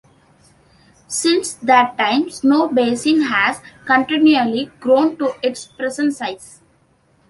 Since that time, Snowbasin has continually grown to its present size.